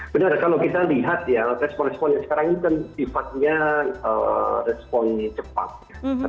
benar kalau kita lihat ya respon responnya sekarang ini kan tifadnya respon cepat